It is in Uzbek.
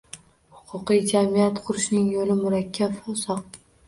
Huquqiy jamiyat qurishning yo'li murakkab va uzoq